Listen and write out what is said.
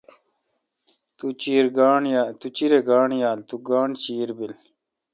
تو چیرہ گانٹھ یال۔۔تو گانٹھ چیر بیل۔